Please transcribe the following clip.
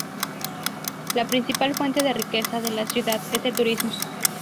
La principal fuente de riqueza de la ciudad es el turismo.